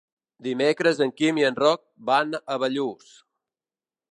Dimecres en Quim i en Roc van a Bellús.